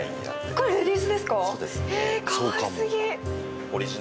これレディースですか？